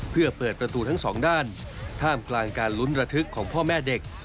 เพื่อเปิดประตูทั้งสองด้านท่ามกลางการลุ้นระทึกของพ่อแม่เด็ก